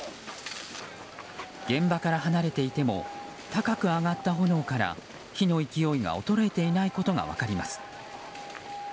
現場から離れていても高く上がった炎から火の勢いが衰えていないことが分かります。